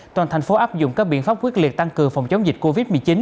toàn thành phố áp dụng các biện pháp quyết liệt tăng cường phòng chống dịch covid một mươi chín